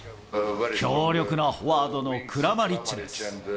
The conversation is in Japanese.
強力なフォワードのクラマリッチです。